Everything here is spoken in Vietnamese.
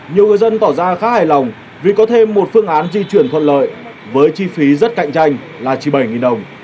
nhiều người dân tỏ ra khá hài lòng vì có thêm một phương án di chuyển thuận lợi với chi phí rất cạnh tranh là chỉ bảy đồng